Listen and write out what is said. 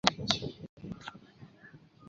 瓦德成为不管部长。